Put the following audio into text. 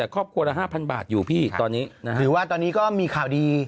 ขอบคุณ๕๐๐๐บาทอยู่พี่ตอนนี้หรือว่าตอนนี้ก็มีข่าวดี